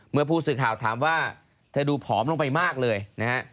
เมื่อผู้สื่อข่าวถามว่าเธอดูผอมลงไปมากเลยนะฮะ